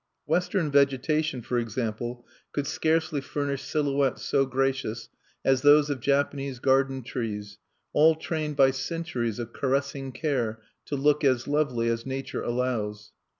Western vegetation, for example, could scarcely furnish silhouettes so gracious as those of Japanese garden trees, all trained by centuries of caressing care to look as lovely as Nature allows.